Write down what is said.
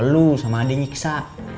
lu sama adik nyiksa